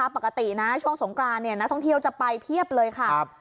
ปกตินะช่วงสงกรานนักท่องเที่ยวจะไปเพียบเลยค่ะ